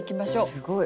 すごい。